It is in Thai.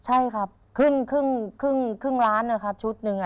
ใช่ครับครึ่งล้านนะครับชุดหนึ่ง